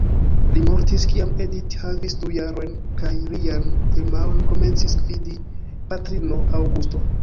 Li mortis kiam Edith havis du jarojn kaj lian firmaon komencis gvidi patrino, Augusto.